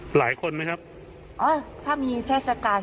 หลายคนมั้ยครับเอ้อถ้ามีเทศกรรม